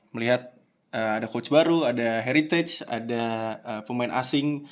melihat ada coach baru ada heritage ada pemain asing